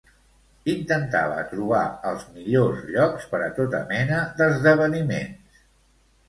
Intentava trobar els millors llocs per a tota mena d'esdeveniments.